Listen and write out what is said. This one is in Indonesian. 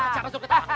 siapa suruh ketawa